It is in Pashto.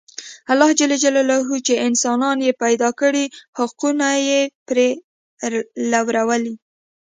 الله ج چې انسانان یې پیدا کړي حقونه یې پرې لورولي.